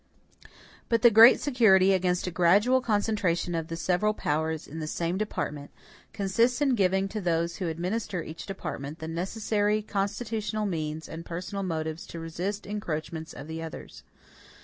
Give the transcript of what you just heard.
But the great security against a gradual concentration of the several powers in the same department, consists in giving to those who administer each department the necessary constitutional means and personal motives to resist encroachments of the others.